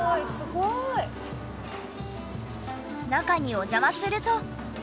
中にお邪魔すると。